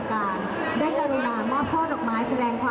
สวัสดีค่ะน้ำตาลสวัสดีค่ะ